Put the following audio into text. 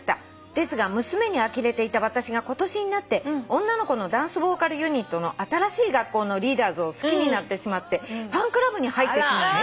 ですが娘にあきれていた私が今年になって女の子のダンスボーカルユニットの新しい学校のリーダーズを好きになってしまってファンクラブに入ってしまいました」